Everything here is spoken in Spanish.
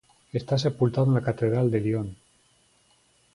Está sepultado en la Catedral de Lyon.